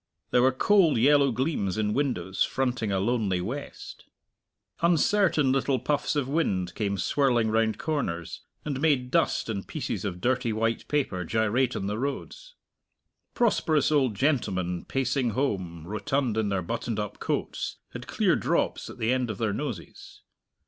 There were cold yellow gleams in windows fronting a lonely west. Uncertain little puffs of wind came swirling round corners, and made dust and pieces of dirty white paper gyrate on the roads. Prosperous old gentlemen pacing home, rotund in their buttoned up coats, had clear drops at the end of their noses.